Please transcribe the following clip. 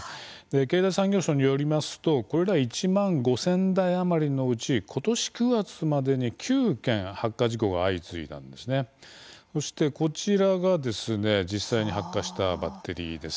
経済産業省によりますとこれら１万５０００台余りのうちことし９月までに９件発火事故が相次いだんですけれどもこちらが実際に発火したバッテリーです。